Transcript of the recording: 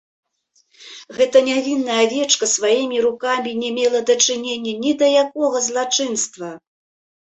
Гэтая нявінная авечка сваімі рукамі не мела дачынення ні да якога злачынства.